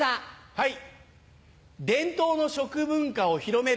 はい。